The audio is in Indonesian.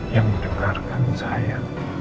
yang dengarkan saya